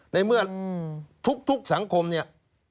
ในเมื่อทุกสังคมเนี่ย